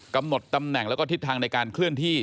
กำหนดตำแหน่งแล้วก็ทิศทางในการเคลื่อนที่